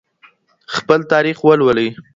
خپل تاريخ ولولئ.